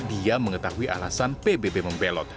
dia mengetahui alasan pbb membelot